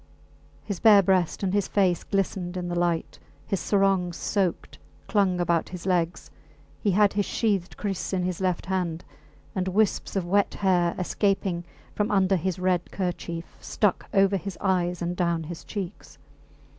His bare breast and his face glistened in the light; his sarong, soaked, clung about his legs; he had his sheathed kriss in his left hand; and wisps of wet hair, escaping from under his red kerchief, stuck over his eyes and down his cheeks.